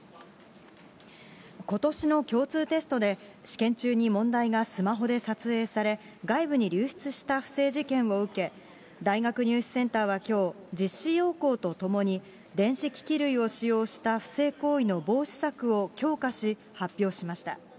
ことしの共通テストで、試験中に問題がスマホで撮影され、外部に流出した不正事件を受け、大学入試センターはきょう、実施要項と共に電子機器類を使用した不正行為の防止策を強化し、発表しました。